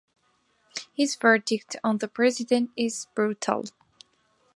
His verdict on the president is brutal.